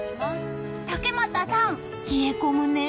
竹俣さん、冷え込むね。